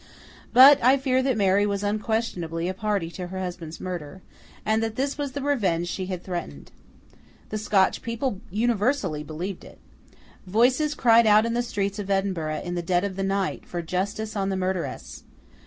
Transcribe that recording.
But, I fear that Mary was unquestionably a party to her husband's murder, and that this was the revenge she had threatened. The Scotch people universally believed it. Voices cried out in the streets of Edinburgh in the dead of the night, for justice on the murderess.